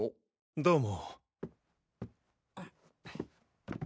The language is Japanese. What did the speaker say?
どうも。